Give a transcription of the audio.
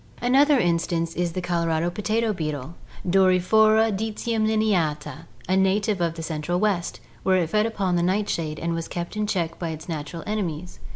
Another instance is the Colorado potato beetle (Doryphora dccendineata), a native of the Central West, where it fed upon the nightshade and was kept in check by its natural enemies.